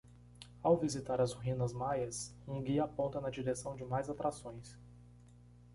Ao visitar as ruínas maias, um guia aponta na direção de mais atrações